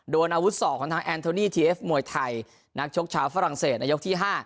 โดนอาวุธศอกของทางแอนโทนี่ทีเอฟมวยไทยนักชกชาวฝรั่งเศสในยกที่๕